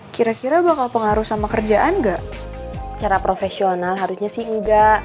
kita berjaya lagi